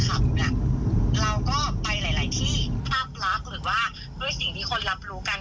หรือประมาณนี้ซึ่งตรงนี้เราก็ต้องขอโทษ